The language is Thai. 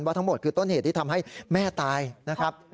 ทั้งหมดคือต้นเหตุที่ทำให้แม่ตายนะครับ